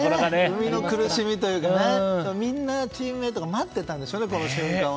生みの苦しみというかみんな、チームメートが待っていたんでしょうね